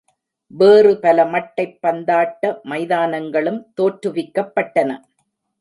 வேறு பல மட்டைப் பந்தாட்ட மைதானங்களும் தோற்றுவிக்கப்பட்டன.